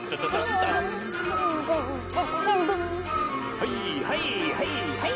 はいはいはいはい！